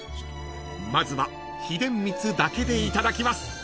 ［まずは秘伝みつだけでいただきます］